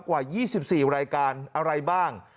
กว่า๒๔รายการอะไรบ้าง